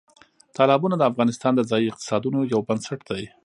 تالابونه د افغانستان د ځایي اقتصادونو یو بنسټ دی.